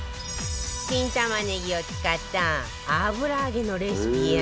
新玉ねぎを使った油揚げのレシピや